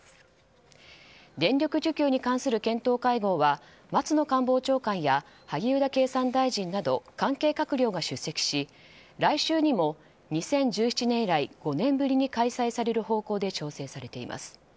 電力需給に関する検討会合は松野官房長官や萩生田経産大臣など関係閣僚が出席し来週にも２０１７年以来５年ぶりに開催される方向で調整されています。